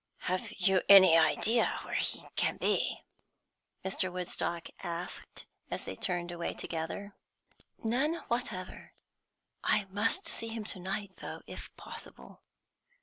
"Have you any idea where he can be?" Mr. Woodstock asked, as they turned away together. "None whatever. I must see him to night, though, if possible."